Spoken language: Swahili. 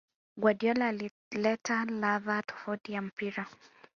Guardiola alileta ladha tofauti ya mpira